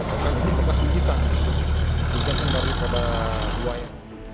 yang di lempas ada hasil visum sementara diketahui diketahui kita juga kendali pada buaya